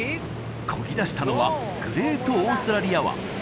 こぎ出したのはグレートオーストラリア湾